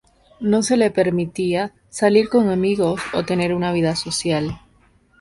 No se le permitía salir con amigos o tener una vida social.